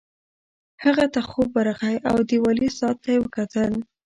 هغه ته خوب ورغی او دیوالي ساعت ته یې وکتل